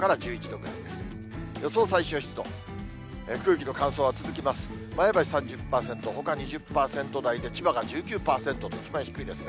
前橋３０％、ほか２０％台で、千葉が１９％と、一番低いですね。